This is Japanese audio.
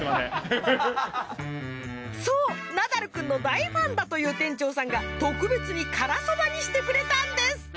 そうナダルくんの大ファンだという店長さんが特別に辛そばにしてくれたんです。